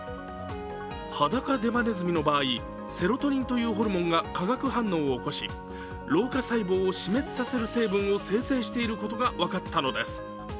ハダカデバネズミの場合、セロトニンというホルモンが化学反応を起こし、老化細胞を死滅させる成分を生成していることが分かったのです。